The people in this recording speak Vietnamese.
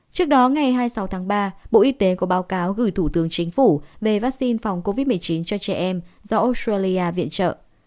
trước đó ngày hai mươi sáu tháng ba bộ y tế có báo cáo gửi thủ tướng chính phủ về vaccine phòng covid một mươi chín cho trẻ em do australia viện trợ